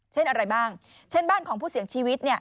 เช่นอะไรบ้างเช่นบ้านของผู้เสียชีวิต